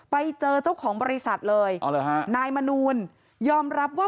ไปเจอเจ้าของบริษัทเลยฮะนายมนูลยอมรับว่า